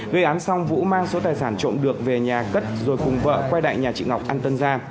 gây án xong vũ mang số tài sản trộm được về nhà cất rồi cùng vợ quay lại nhà chị ngọc ăn tân gia